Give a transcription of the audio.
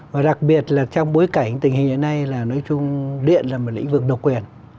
và đặc biệt là trong bối cảnh tình hình như thế này là nói chung điện là một lĩnh vực độc quyền